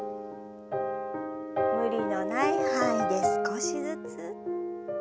無理のない範囲で少しずつ。